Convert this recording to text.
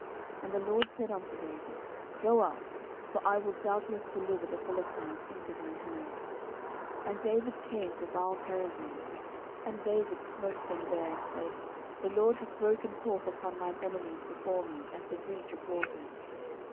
And the LORD said unto David, Go up: for I will doubtless deliver the Philistines into thine hand. 10:005:020 And David came to Baalperazim, and David smote them there, and said, The LORD hath broken forth upon mine enemies before me, as the breach of waters.